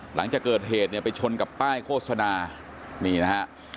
หลังจากเกิดเหตุเนี่ยไปชนกับป้ายโฆษณานี่นะฮะ